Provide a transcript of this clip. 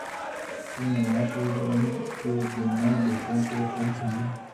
اب نواز شریف اور ان کے دونوں بیٹوں کو خود ہی